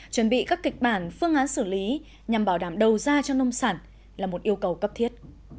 chuẩn bị các kịch bản phương án xử lý nhằm bảo đảm đầu ra cho nông sản là một yêu cầu cấp thiết